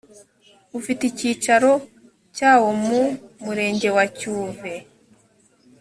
ufite icyicaro cyawomu murenge wa cyuve